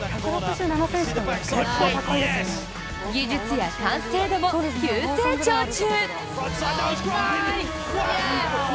技術や完成度も急成長中。